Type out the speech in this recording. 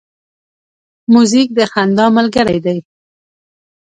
موزیک د خندا ملګری دی.